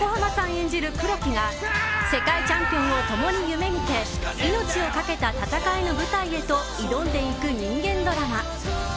演じる黒木が世界チャンピオンを共に夢見て命をかけた戦いの舞台へと挑んでいく人間ドラマ。